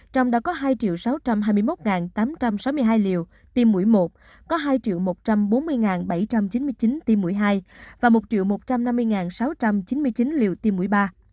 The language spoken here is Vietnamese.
trong đó có hai sáu trăm hai mươi một tám trăm sáu mươi hai liều tiêm mũi một có hai một trăm bốn mươi bảy trăm chín mươi chín tim mũi hai và một một trăm năm mươi sáu trăm chín mươi chín liều tiêm mũi ba